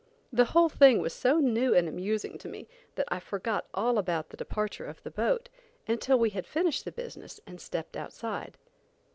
The whole thing was so new and amusing to me that I forgot all about the departure of the boat until we had finished the business and stepped outside.